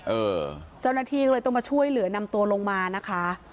เจ้าหน้าที่ก็เลยต้องมาช่วยเหลือนำตัวลงมานะคะ